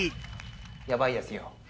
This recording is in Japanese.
やばいですよ。